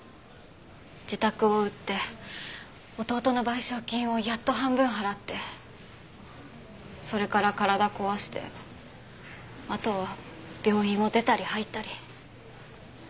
自宅を売って弟の賠償金をやっと半分払ってそれから体壊してあとは病院を出たり入ったり。